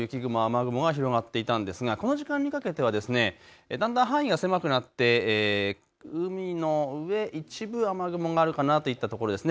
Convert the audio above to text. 朝９時の段階で沿岸部など雪雲雨雲が広がっていたんですがこの時間にかけては、だんだん範囲が狭くなって、海の上一部雨雲があるかなといったところですね。